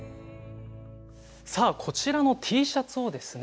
さあこちらのＴシャツをですね